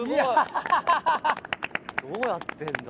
どうやってんだ？